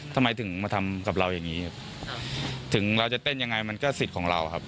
ทำไมถึงมาทำกับเราอย่างนี้ถึงเราจะเต้นยังไงมันก็สิทธิ์ของเราครับ